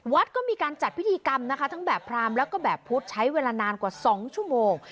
วัดก็มีการจัดพิธีกรรมนะคะทั้งแบบพรามแล้วก็แบบพุทธใช้เวลานานกว่า๒ชั่วโมง